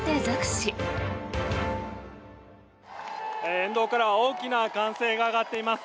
沿道からは大きな歓声が上がっています。